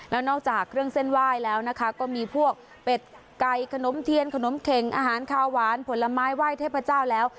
แล้วนอกจากเครื่องเส้นไหว้แล้วนะคะก็มีพวกเป็ดไก่ขนมเทียนขนมเข็งอาหารคาวหวานผลไม้ไหว้เทพเจ้าแล้ว